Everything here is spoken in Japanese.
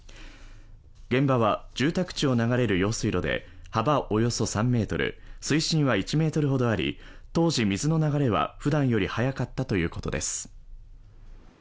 現場は住宅地を流れる用水路で、幅およそ３ｍ、水深は１ｍほどあり、当時水の流れはふだんより速かったということです。